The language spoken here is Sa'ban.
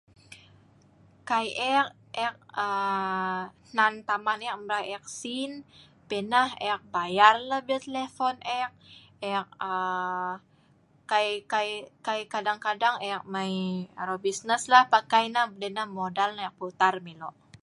kai ek ek aa hnan taman ek mrai ek sin pi nah ek bayar la bil telepon ek ek aa kai kai kai kadang kadang ek mei arok business la pakai neh pi neh pakai modal nah ek putar mei lok